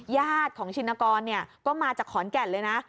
ญาติของชินกรก็มาจากขอนแก่นเลยนะ